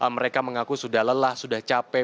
mereka mengaku sudah lelah sudah capek